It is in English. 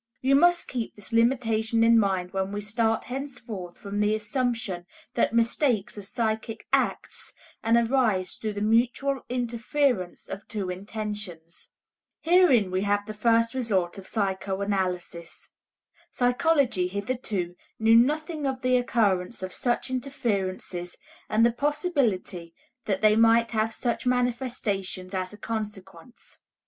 You must keep this limitation in mind when we start henceforth from the assumption that mistakes are psychic acts and arise through the mutual interference of two intentions. Herein we have the first result of psychoanalysis. Psychology hitherto knew nothing of the occurrence of such interferences and the possibility that they might have such manifestations as a consequence.